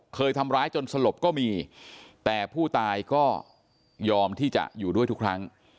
เคยทำร้ายจนสลบก็มีแต่ผู้ตายก็ยอมที่จะอยู่ด้วยทุกครั้ง